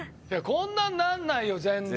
こんなんなんないよ全然」